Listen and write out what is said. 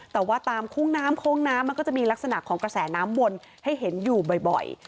แต่ว่าตามคุ้งน้ำโค้งน้ำมันก็จะมีลักษณะของกระแสน้ำวนให้เห็นอยู่บ่อย